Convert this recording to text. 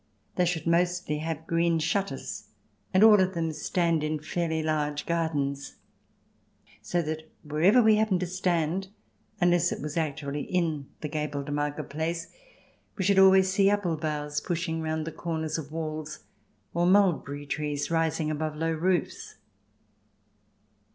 They should mostly have green shutters and all of them stand in fairly large gardens. So that wherever we happen to stand, unless it was actually in the gabled market place, we should always see apple boughs pushing round the corners of walls or mulberry trees rising above low roofs.